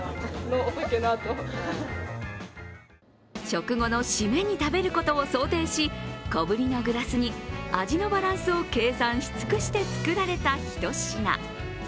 食後のシメに食べることを想定し、小ぶりのグラスに味のバランスを計算し尽くして作られたひと品。